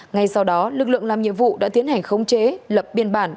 ngay sau đó lực lượng làm nhiệm vụ đã tiến hành khống chế lập biên bản